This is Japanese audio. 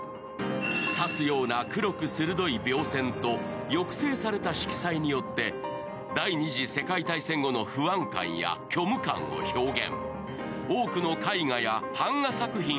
刺すような黒く鋭い描線と、抑制された色彩によって、第二次世界大戦後の不安感や虚無感を表現。